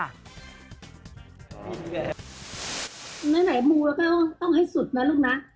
ไหนมูแล้วก็ต้องให้สุดนะลูกนะ